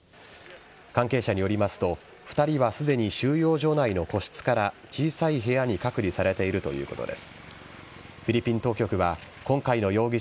関係者によりますと２人はすでに収容所内の個室から小さい部屋に隔離されているということです。